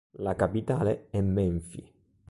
La capitale è Menfi.